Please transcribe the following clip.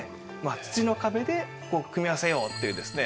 土の壁で組み合わせようっていうですね